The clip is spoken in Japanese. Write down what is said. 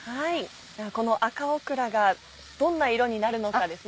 ではこの赤オクラがどんな色になるのかですね。